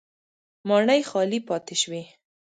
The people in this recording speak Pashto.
ماڼۍ خالي پاتې شوې.